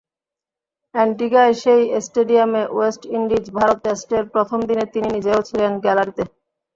অ্যান্টিগায় সেই স্টেডিয়ামে ওয়েস্ট ইন্ডিজ-ভারত টেস্টের প্রথম দিনে তিনি নিজেও ছিলেন গ্যালারিতে।